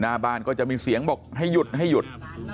หน้าบ้านก็จะมีเสียงบอกให้หยุดให้หยุด